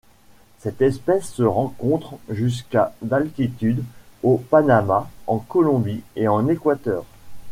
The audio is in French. Cette espèce se rencontre jusqu'à d'altitude au Panamá, en Colombie et en Équateur.